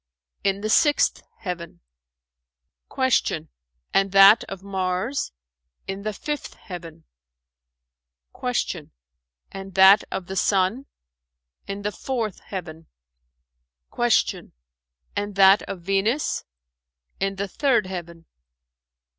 "In the sixth heaven." Q "And that of Mars?" "In the fifth heaven." Q "And that of the Sun?" "In the fourth heaven." Q "And that of Venus?" "In the third heaven."